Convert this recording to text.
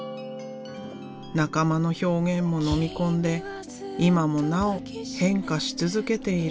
仲間の表現ものみ込んで今もなお変化し続けている。